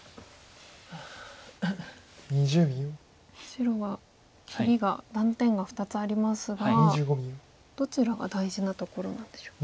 白は切りが断点が２つありますがどちらが大事なところなんでしょう？